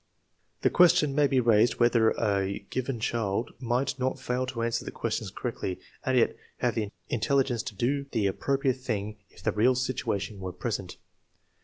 The question may be raised whether a given child might not fail to answer the questions correctly and yet have the intelligence to do the appropriate thing if the real situation were present.